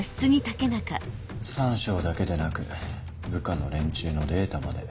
三将だけでなく部下の連中のデータまで。